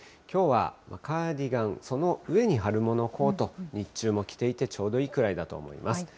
きょうはカーディガン、その上に春物のコート、日中も着ていてちょうどいいくらいだと思います。